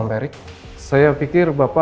abang selalu kenyataan kaos untuk bapak